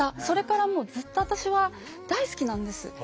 それからもうずっと私は大好きなんです。